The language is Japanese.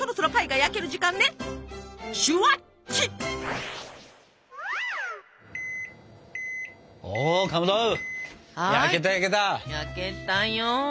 焼けたよ。